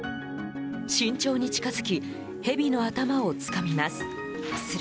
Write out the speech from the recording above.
慎重に近づきヘビの頭をつかみます。